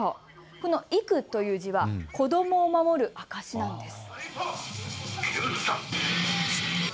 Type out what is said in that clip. この育という字は子どもを守る証しです。